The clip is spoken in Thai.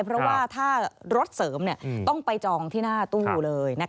เพราะว่าถ้ารถเสริมต้องไปจองที่หน้าตู้เลย